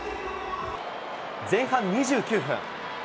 前半２９分。